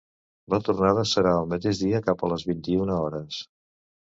La tornada serà el mateix dia cap a les vint-i-una hores.